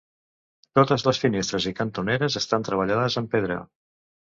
Totes les finestres i cantoneres estan treballades amb pedra.